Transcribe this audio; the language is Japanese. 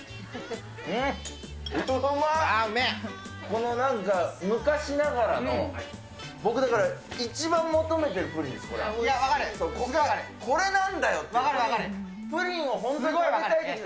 このなんか、昔ながらの僕だから、一番求めてるプリンです。